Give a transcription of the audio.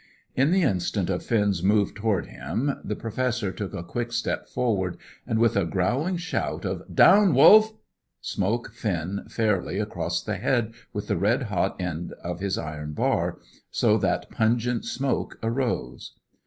In the instant of Finn's move towards him the Professor took a quick step forward and, with a growling shout of "Down, Wolf!" smote Finn fairly across the head with the red hot end of his iron bar, so that pungent smoke arose.